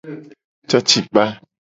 Cocikpa.